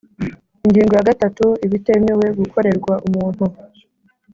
Ingingo ya gatatu Ibitemewe gukorerwa umuntu